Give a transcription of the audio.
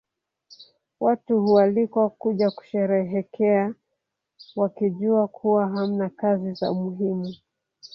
Watu hualikwa kuja kusherehekea wakijua kuwa hamna kazi za muhimu